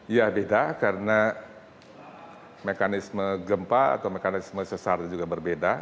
ya beda karena mekanisme gempa atau mekanisme sesar juga berbeda